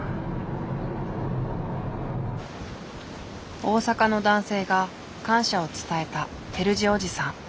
大阪の男性が感謝を伝えた照次おじさん。